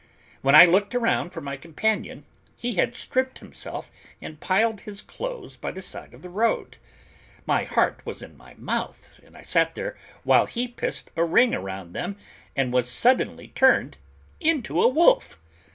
When I looked around for my companion, he had stripped himself and piled his clothes by the side of the road. My heart was in my mouth, and I sat there while he pissed a ring around them and was suddenly turned into a wolf!